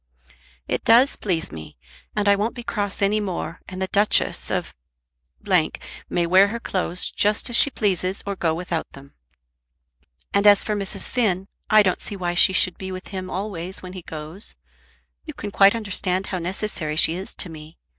"It does please me, and I won't be cross any more, and the Duchess of may wear her clothes just as she pleases, or go without them. And as for Mrs. Finn, I don't see why she should be with him always when he goes. You can quite understand how necessary she is to me.